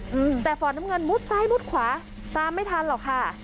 อืมแต่ฟอร์ดน้ำเงินมุดซ้ายมุดขวาตามไม่ทันหรอกค่ะ